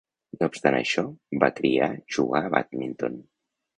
No obstant això, va triar jugar a bàdminton.